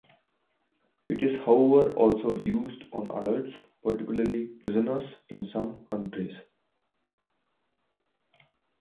It is however also used on adults, particularly prisoners in some countries.